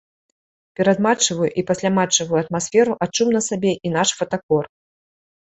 Перадматчавую і пасляматчавую атмасферу адчуў на сабе і наш фотакор.